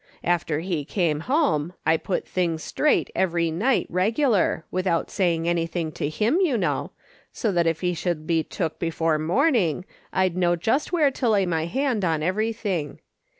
After he come homo I put things straight every night regular, without saying anything to him, you know, so that if he should be took before morn ing I'd know just where to lay my hand on every thing.